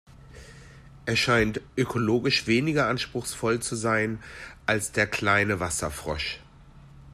Er scheint ökologisch weniger anspruchsvoll zu sein als der Kleine Wasserfrosch.